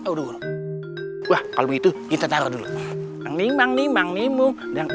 udah udah kalau gitu kita nimbang nimbang